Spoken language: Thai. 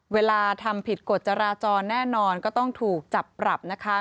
เวลาทำผิดกฎจราจรแน่นอนก็ต้องถูกจับปรับนะคะ